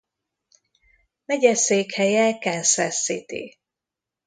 Megyeszékhelye Kansas City.